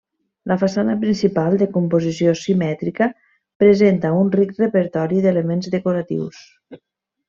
La façana principal, de composició simètrica presenta un ric repertori d'elements decoratius.